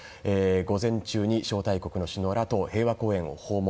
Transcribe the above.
午前中に招待国の首脳らと平和公園を訪問。